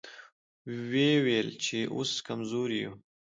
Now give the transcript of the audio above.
ويې ويل چې اوس کمزوري يو.